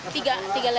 tiga lagi ini yang belum